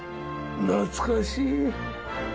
懐かしい。